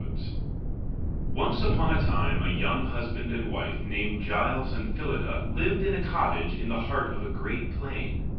] Once upon a time a young husband and wife named Giles and Phyllida lived in a cottage in the heart of a great plain.